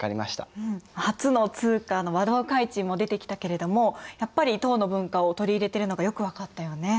初の通貨の和同開珎も出てきたけれどもやっぱり唐の文化を取り入れてるのがよく分かったよね。